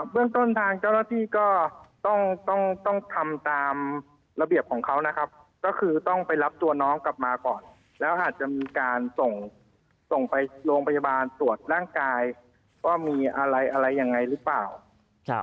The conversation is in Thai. เรื่องต้นทางเจ้าหน้าที่ก็ต้องต้องทำตามระเบียบของเขานะครับก็คือต้องไปรับตัวน้องกลับมาก่อนแล้วอาจจะมีการส่งส่งไปโรงพยาบาลตรวจร่างกายว่ามีอะไรอะไรยังไงหรือเปล่าครับ